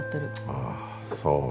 ああそう。